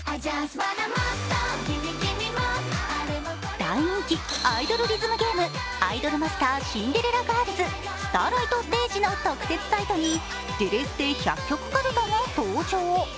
大人気アイドルリズムゲーム、「アイドルマスターシンデレラガールズスターライトステージ」の特設サイトに「デレステ百曲かるた」が登場。